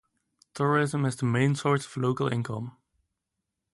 Tourism is the main source of local income.